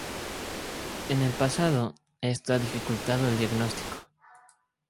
En el pasado, esto ha dificultado el diagnóstico.